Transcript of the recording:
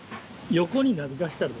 横になびかしたら。